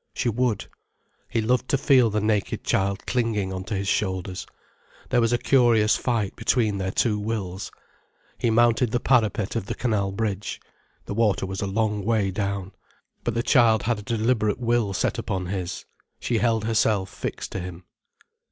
She would. He loved to feel the naked child clinging on to his shoulders. There was a curious fight between their two wills. He mounted the parapet of the canal bridge. The water was a long way down. But the child had a deliberate will set upon his. She held herself fixed to him.